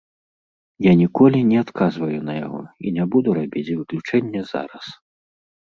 Я ніколі не адказваю на яго і не буду рабіць выключэнне зараз.